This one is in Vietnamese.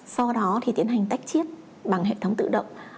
sau đó thì tiến hành tách chiết bằng hệ thống tự động